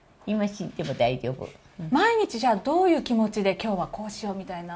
毎日、じゃあ、どういう気持ちで、きょうはこうしようみたいな。